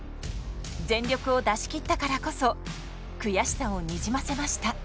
全力を出し切ったからこそ悔しさをにじませました。